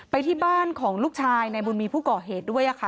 ไปที่บ้านของลูกชายในบุญมีผู้ก่อเหตุด้วยค่ะ